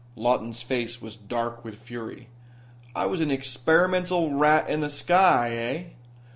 Lawton's face was dark with fury. "I was an experimental rat in the sky, eh?"